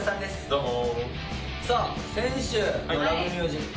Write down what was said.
どうも。